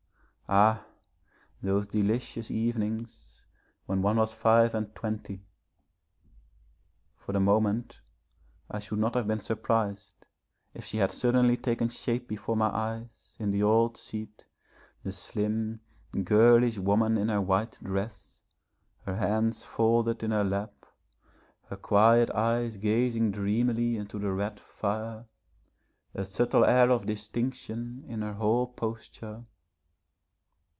Ah, those delicious evenings when one was five and twenty. For the moment I should not have been surprised if she had suddenly taken shape before my eyes, in the old seat, the slim, girlish woman in her white dress, her hands folded in her lap, her quiet eyes gazing dreamily into the red fire, a subtile air of distinction in her whole posture....